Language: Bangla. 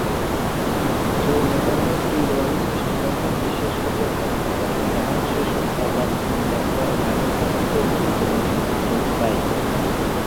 জৈনধর্ম দৃঢ়ভাবে সৃষ্টিকর্তার বিশ্বাসকে প্রত্যাখ্যান করে, এবং যে সত্তা তার চিন্তা, কর্ম এবং তাদের পরিণতির জন্য সম্পূর্ণরূপে দায়ী।